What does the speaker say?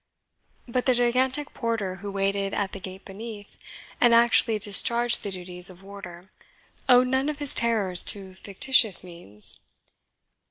But the gigantic porter who waited at the gate beneath, and actually discharged the duties of warder, owed none of his terrors to fictitious means.